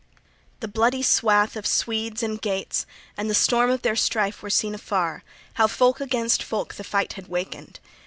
XXXIX "THE bloody swath of Swedes and Geats and the storm of their strife, were seen afar, how folk against folk the fight had wakened.